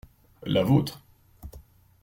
La vôtre.